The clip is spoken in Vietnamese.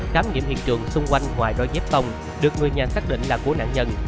khám nghiệm hiện trường xung quanh ngoài đo dếp tông được người nhà xác định là của nạn nhân